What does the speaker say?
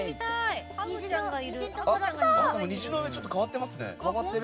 虹の上ちょっと変わってますね。